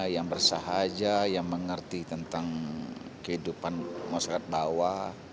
yang bersahaja yang mengerti tentang kehidupan masyarakat bawah